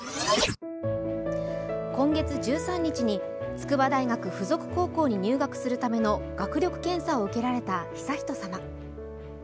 今月１３日に筑波大学附属高校に入学されるための学力検査を受けられた悠仁さま。